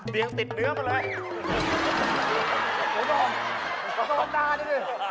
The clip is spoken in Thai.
เตียงติดเนื้อมาเลย